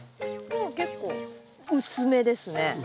うん結構薄めですね。